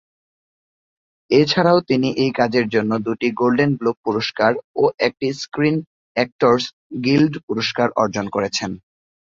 এছাড়া তিনি এই কাজের জন্য দুটি গোল্ডেন গ্লোব পুরস্কার ও একটি স্ক্রিন অ্যাক্টরস গিল্ড পুরস্কার অর্জন করেছেন।